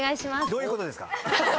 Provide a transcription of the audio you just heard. どういうことですか？